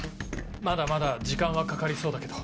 まだまだ時間はかかりそうだけど。